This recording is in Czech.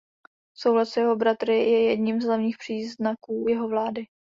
Soulad s jeho bratry je jedním z hlavních příznaků jeho vlády.